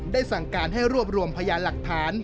สั่งการให้รวบรวมพยานหลักฐาน